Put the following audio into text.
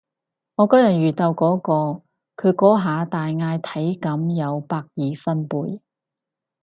我今日遇到嗰個，佢嗰下大嗌體感有百二分貝